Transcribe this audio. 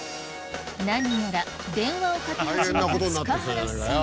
何やら電話をかけ始めた塚原さん